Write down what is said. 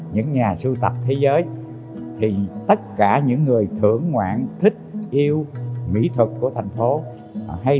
những nhà sưu tập thế giới thì tất cả những người thưởng ngoạn thích yêu mỹ thuật của thành phố hay